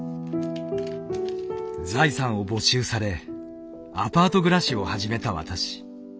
財産を没収されアパート暮らしを始めた私。